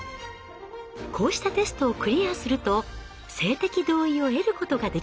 こうしたテストをクリアすると性的同意を得ることができます。